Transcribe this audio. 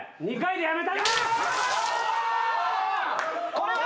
これは。